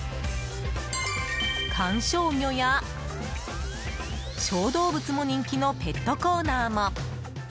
観賞魚や小動物も人気のペットコーナーも。